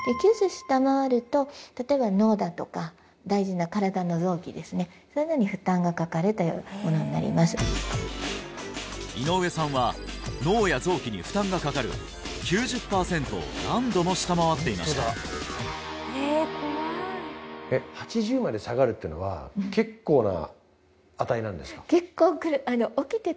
下回ると例えば脳だとか大事な身体の臓器ですねそういうのに負担がかかるというものになります井上さんは脳や臓器に負担がかかる９０パーセントを何度も下回っていましたえ怖い８０まで下がるっていうのは結構な値なんですか？